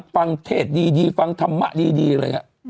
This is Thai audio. ประเทศดีฟังธรรมะดีอะไรอย่างนี้